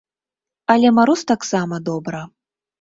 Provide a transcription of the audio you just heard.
Але мароз таксама добра.